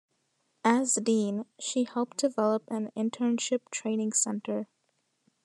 As Dean she helped develop an internship-training center.